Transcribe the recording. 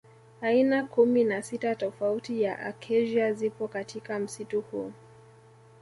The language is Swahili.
Aina kumi na sita tofauti ya Acacia zipo katika msitu huu